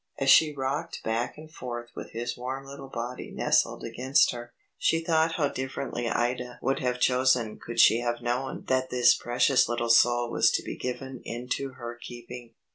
As she rocked back and forth with his warm little body nestled against her, she thought how differently Ida would have chosen could she have known that this precious little soul was to be given into her keeping.